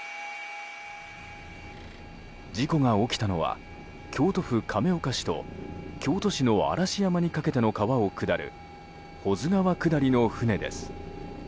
事故が起きたのは京都府亀岡市と京都市の嵐山にかけての川を下る保津川下りの船です。